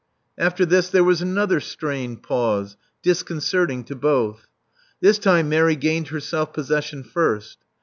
After this there was another strained pause, dis concerting to both. This time Mary gained her self possession first.